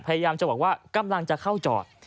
พยายามจะบอกว่ากำลังจะเข้าจอด